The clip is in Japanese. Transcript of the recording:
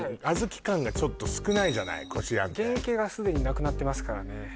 小豆感がちょっと少ないじゃないこしあんって原形がすでになくなってますからね